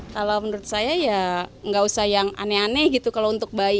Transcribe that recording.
kalau menurut saya ya nggak usah yang aneh aneh gitu kalau untuk bayi